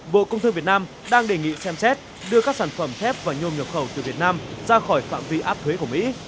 bộ công thương việt nam đang đề nghị xem xét đưa các sản phẩm thép và nhôm nhập khẩu từ việt nam ra khỏi phạm vi áp thuế của mỹ